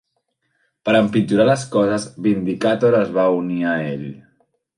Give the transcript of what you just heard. Per empitjorar les coses, Vindicator es va unir a ell.